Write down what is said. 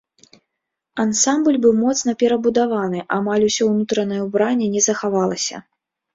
Ансамбль быў моцна перабудаваны, амаль усё ўнутранае ўбранне не захавалася.